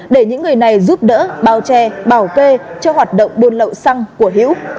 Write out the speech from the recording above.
để những người này giúp đỡ bào tre bào kê cho hoạt động buôn lậu xăng của hữu